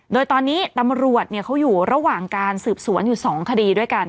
โดยตอนนี้ตำรวจเขาอยู่ระหว่างการสืบสวนอยู่๒คดีด้วยกัน